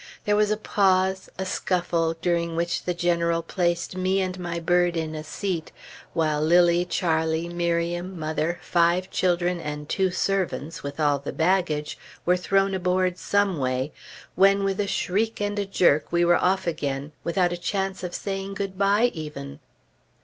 There was a pause, a scuffle, during which the General placed me and my bird in a seat, while Lilly, Charlie, Miriam, mother, five children, and two servants, with all the baggage, were thrown aboard some way, when with a shriek and a jerk we were off again, without a chance of saying good bye, even.